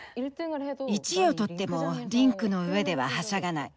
１位を取ってもリンクの上でははしゃがない。